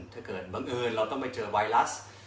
ถ้าเกิดบังเอิญเราต้องไปเจอไวรัส